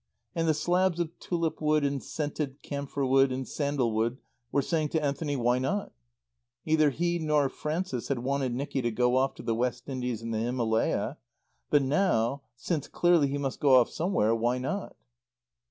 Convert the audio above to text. And the slabs of tulip wood and scented camphor wood and sandalwood were saying to Anthony, "Why not?" Neither he nor Frances had wanted Nicky to go off to the West Indies and the Himalaya; but now, since clearly he must go off somewhere, why not?